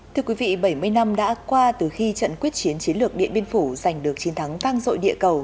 thưa quý vị bảy mươi năm đã qua từ khi trận quyết chiến chiến lược điện biên phủ giành được chiến thắng vang rội địa cầu